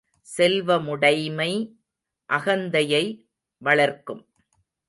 செல்வமுடைமை அகந்தையை வளர்க்கும்.